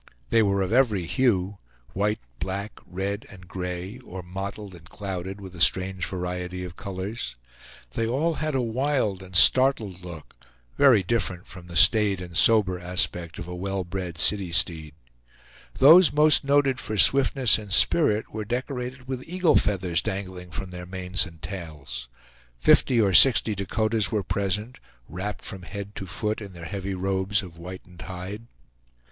They were of every hue white, black, red, and gray, or mottled and clouded with a strange variety of colors. They all had a wild and startled look, very different from the staid and sober aspect of a well bred city steed. Those most noted for swiftness and spirit were decorated with eagle feathers dangling from their manes and tails. Fifty or sixty Dakotas were present, wrapped from head to foot in their heavy robes of whitened hide.